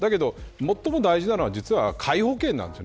最も大事なのは皆保険です。